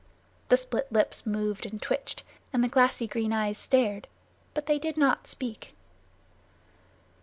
The split lips moved and twitched; and the glassy green eyes stared, but they did not speak.